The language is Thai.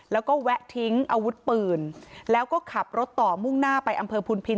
แล้วก็แวะทิ้งอาวุธปืนแล้วก็ขับรถต่อมุ่งหน้าไปอำเภอพุนพิน